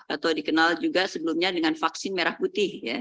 atau dikenal juga sebelumnya dengan vaksin merah putih ya